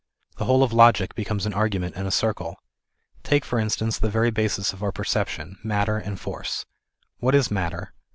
The whole of logic becomes an argument in a circle. Take for instance the very basis of our perception, matter and force. What is matter